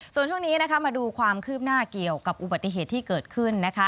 ส่วนช่วงนี้มาดูความคืบหน้าเกี่ยวกับอุบัติเหตุที่เกิดขึ้นนะคะ